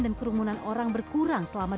dan kerumunan orang berkurang selama